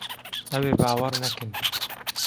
Ew ê bawer nekin.